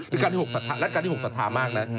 เป็นรัฐการณ์ที่๖สัทธามากนะ